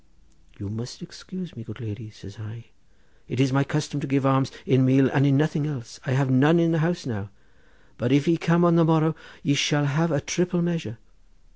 'You must excuse me, good lady,' said I: 'it is my custom to give alms in meal, and in nothing else. I have none in the house now; but if ye come on the morrow ye shall have a triple measure.